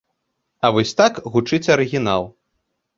А вось так гучыць арыгінал.